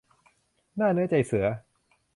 หน้าเนื้อใจเสือ